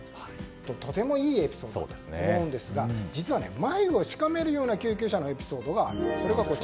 とてもいいエピソードだと思うんですが実は眉をしかめるような救急車のエピソードがあります。